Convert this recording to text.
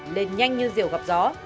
lên nhanh như diều gặp gió